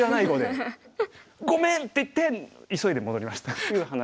「ごめん！」って言って急いで戻りましたっていう話。